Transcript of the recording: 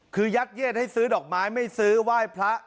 คือยัดเย็ดให้ซื้อดอกไม้ไม่ซื้อไหว้พระ